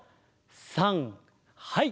さんはい！